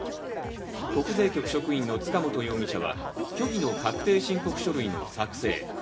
国税局職員の塚本容疑者は、虚偽の確定申告の書類の作成。